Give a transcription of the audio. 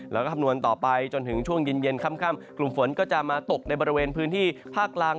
แล้วก็คำนวณต่อไปจนถึงช่วงเย็นค่ำกลุ่มฝนก็จะมาตกในบริเวณพื้นที่ภาคกลาง